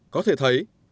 có thể thấy